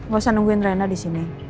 gak usah nungguin rena di sini